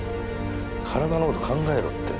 体のこと考えろって。